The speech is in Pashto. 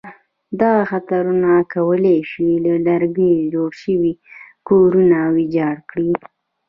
دغه خطرونه کولای شي له لرګي جوړ شوي کورونه ویجاړ کړي.